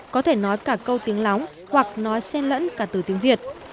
có thể nói cả câu tiếng lóng hoặc nói sen lẫn cả từ tiếng việt